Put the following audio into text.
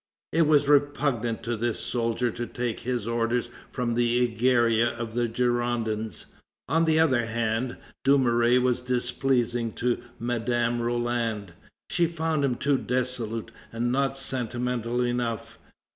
It was repugnant to this soldier to take his orders from the Egeria of the Girondins. On the other hand, Dumouriez was displeasing to Madame Roland. She found him too dissolute and not sentimental enough.